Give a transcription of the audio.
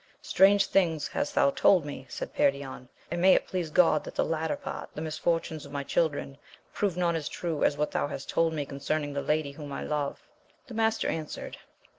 Strange things hast thou told me i said Perion, and may it please God that the latter part, the misfortunes of my children, prove not so true as what thou hast told me concerning the lady whom I love. The master answered.